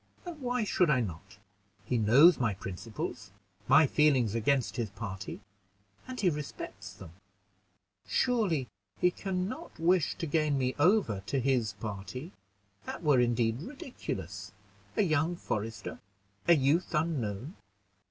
And why should I not? He knows my principles, my feelings against his party, and he respects them. Surely he can not wish to gain me over to his party; that were indeed ridiculous a young forester a youth unknown.